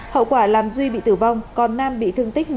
hậu quả làm duy bị tử vong còn nam bị thương tích một mươi chín